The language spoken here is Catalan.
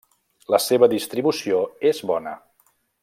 La seva distribució és bona.